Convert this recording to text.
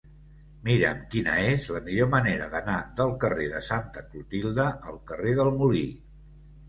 Mira'm quina és la millor manera d'anar del carrer de Santa Clotilde al carrer del Molí.